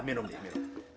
terima kasih pak